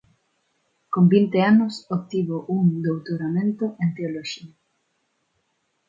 Con vinte anos obtivo un doutoramento en teoloxía.